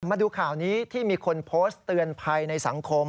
มาดูข่าวนี้ที่มีคนโพสต์เตือนภัยในสังคม